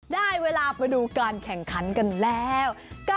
ได้เวลาไปดูการแข่งขันกันแล้ว